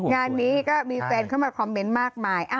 งานนี้ก็มีแฟนเข้ามาคอมเมนต์มากมาย